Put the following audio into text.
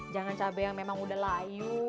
jangan cabai yang memang udah layu